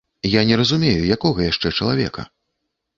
Я не разумею, якога яшчэ чалавека?